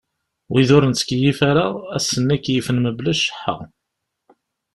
Wid ur nettkeyyif ara, ass-nni keyyfen mebla cceḥḥa.